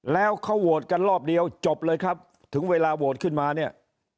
แล้วเขาโหวตกันรอบเดียวจบเลยครับถึงเวลาโหวตขึ้นมาเนี่ย